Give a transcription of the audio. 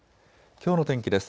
きょうの天気です。